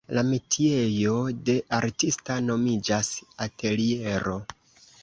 La metiejo de artista nomiĝas ateliero.